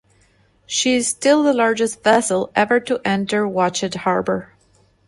She is still the largest vessel ever to enter Watchet harbour.